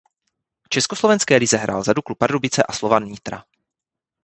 V československé lize hrál za Duklu Pardubice a Slovan Nitra.